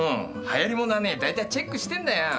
流行り物はね大体チェックしてんだよ。